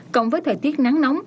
cộng với thời tiết nắng nóng